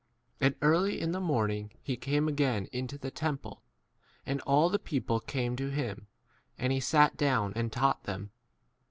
2 And early in the morning he came again into the temple, and all the people came to him ; and he sat down and taught them.